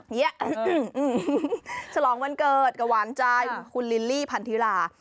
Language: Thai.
ฉลองวันเกิดกับหวานใจคุณลิลลี่พันธิลา